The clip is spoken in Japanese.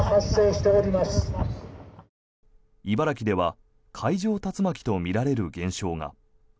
茨城では海上竜巻とみられる現象が。